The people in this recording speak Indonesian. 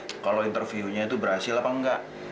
apakah interviunya berhasil atau tidak